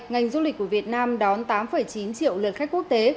ngành du lịch của việt nam đón tám chín triệu lượt khách quốc tế